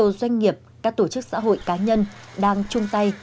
nhiều doanh nghiệp các tổ chức xã hội cá nhân đang chung tay